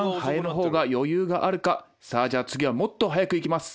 さあじゃあ次はもっと速くいきます」。